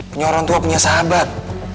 punya orang tua punya sahabat